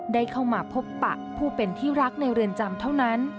ได้เข้ามาพบปะผู้เป็นที่รักในเรือนจำเท่านั้น